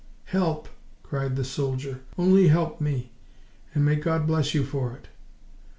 "Help!" cried the soldier, "only help me! and may God bless you for it!"